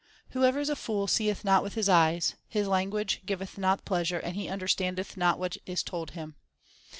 Whoever is a fool seeth not with his eyes ; His language giveth not pleasure, and he understandeth not what is told him.